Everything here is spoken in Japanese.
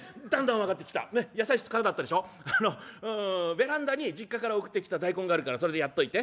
ベランダに実家から送ってきた大根があるからそれでやっといて」。